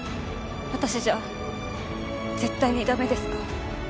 私じゃ絶対に駄目ですか？